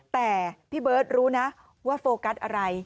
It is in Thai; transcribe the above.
แต่พี่เบิร์ตรู้นะว่าโฟกัสอะไร